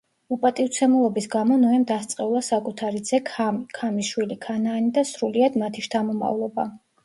უპატივცემულობის გამო ნოემ დასწყევლა საკუთარი ძე ქამი, ქამის შვილი ქანაანი და სრულიად მათი შთამომავლობა.